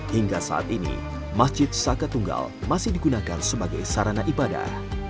hingga saat ini masjid saka tunggal masih digunakan sebagai sarana ibadah